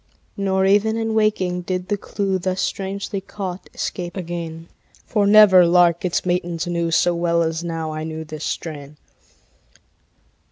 Nor even in waking did the clew, Thus strangely caught, escape again; For never lark its matins knew So well as now I knew this strain.